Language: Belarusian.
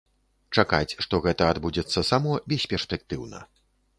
Чакаць, што гэта адбудзецца само, бесперспектыўна.